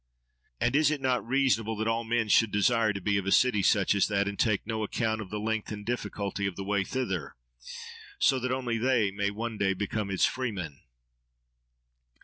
—And is it not reasonable that all men should desire to be of a city such as that, and take no account of the length and difficulty of the way thither, so only they may one day become its freemen?